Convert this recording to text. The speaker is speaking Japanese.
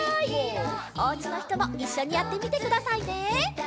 おうちのひともいっしょにやってみてくださいね！